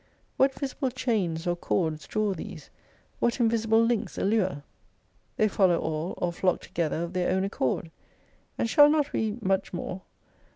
What visible chains or cords draw these ? What invisible links allure ? They 40 follow all, or flock together of their own accord. And shall not we much more